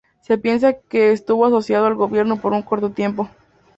Se piensa que estuvo asociado al gobierno por un corto tiempo.